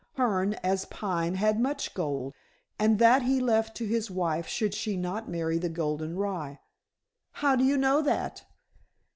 Hearne, as Pine, had much gold, and that he left to his wife should she not marry the golden rye." "How do you know that?"